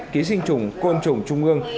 ký sinh trùng côn trùng trung ương